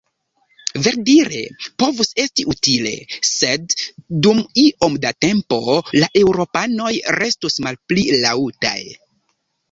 Verdire povus esti utile, se dum iom da tempo la eŭropanoj restus malpli laŭtaj.